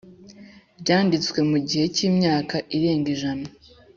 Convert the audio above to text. byanditswe mu gihe cy imyaka irenga ijana